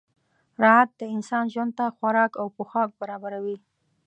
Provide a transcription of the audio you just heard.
راعت د انسان ژوند ته خوراک او پوښاک برابروي.